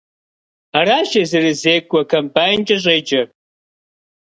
Аращ езырызекӀуэ комбайнкӀэ щӀеджэр.